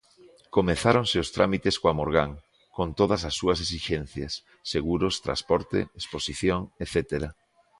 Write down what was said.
Comezáronse os trámites coa Morgan, con todas as súas esixencias: seguros, transporte, exposición etcétera.